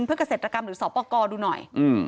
เพื่อเกษตรกรรมหรือสอบประกอบดูหน่อย